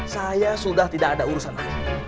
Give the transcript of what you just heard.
saya sudah tidak ada urusan air